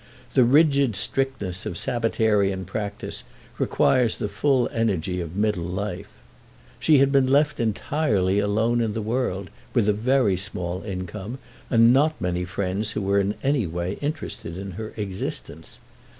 The rigid strictness of Sabbatarian practice requires the full energy of middle life. She had been left entirely alone in the world, with a very small income, and not many friends who were in any way interested in her existence.